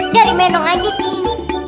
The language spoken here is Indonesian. dari menong aja cing